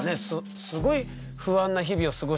すごい不安な日々を過ごしてたんだね？